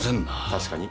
確かに。